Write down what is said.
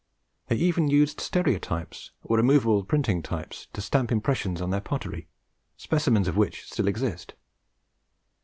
They even used stereotypes, or immovable printing types, to stamp impressions on their pottery, specimens of which still exist.